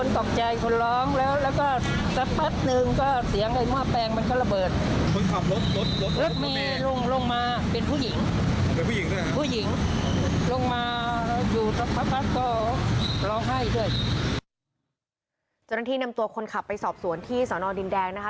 นำตัวคนขับไปสอบสวนที่สอนอดินแดงนะคะ